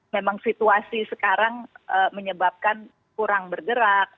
memang situasi sekarang menyebabkan kurang bergerak